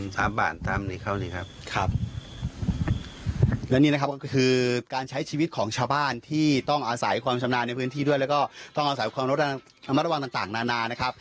สามบาทตามนี้เขาเลยครับครับและนี่นะครับก็คือการใช้ชีวิตของชาวบ้านที่ต้องอาศัยความชำนาญในพื้นที่ด้วยแล้วก็ต้องอาศัยความระมัดระวังต่างต่างนานานะครับ